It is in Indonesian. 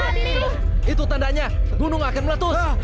itu tandanya gunung akan meletus